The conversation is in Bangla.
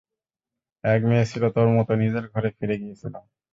এক মেয়ে ছিলো তোর মতো, নিজের ঘরে ফিরে গিয়েছিলো।